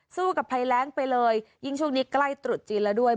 สู้กับภัยแรงไปเลยยิ่งช่วงนี้ใกล้ตรุษจีนแล้วด้วย